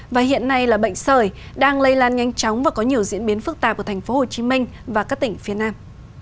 và hiện nay là bệnh sởi đang lây lan nhanh chóng và có nhiều diễn biến phức tạp ở tp hcm và các tỉnh phía nam